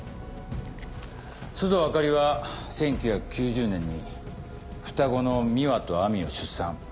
須藤あかりは１９９０年に双子の美羽と亜美を出産。